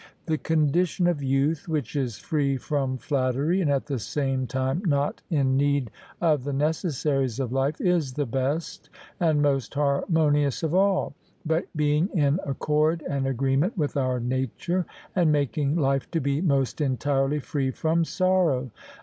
The condition of youth which is free from flattery, and at the same time not in need of the necessaries of life, is the best and most harmonious of all, being in accord and agreement with our nature, and making life to be most entirely free from sorrow.